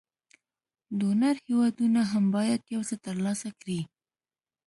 ډونر هېوادونه هم باید یو څه تر لاسه کړي.